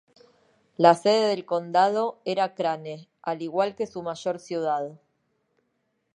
La sede del condado era Crane, al igual que su mayor ciudad.